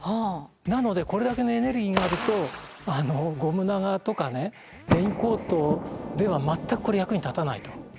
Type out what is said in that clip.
なのでこれだけのエネルギーがあるとゴム長とかレインコートでは全くこれ役に立たないと。